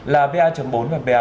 là pa bốn và pa năm